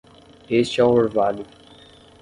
Este é o orvalho.